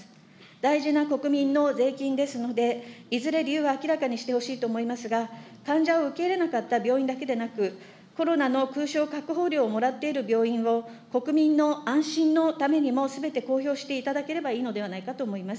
大事な国民の税金ですので、いずれ理由を明らかにしてほしいと思いますが、患者を受け入れなかった病院だけでなく、コロナの空床確保料をもらっている病院を、国民の安心のためにもすべて公表していただければいいのではないかと思います。